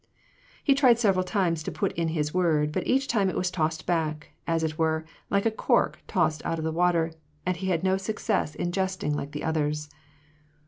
He tried several times to put in his word ; but each time it was tossed back, as it were, like a cork tossed out of the water^ and he had no success in jesting like the others.